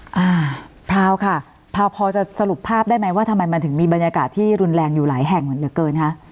อ่าพราวค่ะพราวพอจะสรุปภาพได้ไหมว่าทำไมมันถึงมีบรรยากาศที่รุนแรงอยู่หลายแห่งเหมือนเหลือเกินคะ